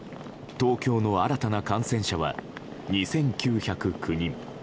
東京の新たな感染者は２９０９人。